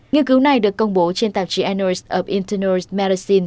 nghiên cứu này được công bố trên tạp chí eners of internals medicine